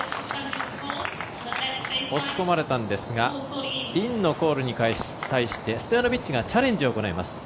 押し込まれたんですがインのコールに対してストヤノビッチがチャレンジを行います。